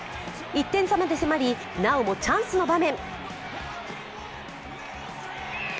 １点差まで迫り、なおもチャンスの場面。